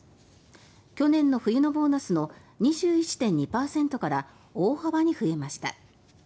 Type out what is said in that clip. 去年の冬のボーナスの２１．２％から大幅に増えました。